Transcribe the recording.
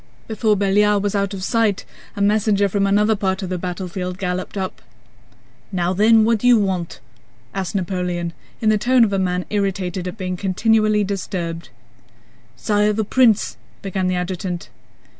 Before Belliard was out of sight, a messenger from another part of the battlefield galloped up. "Now then, what do you want?" asked Napoleon in the tone of a man irritated at being continually disturbed. "Sire, the prince..." began the adjutant.